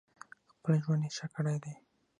خپل ژوند یې ښه کړی دی.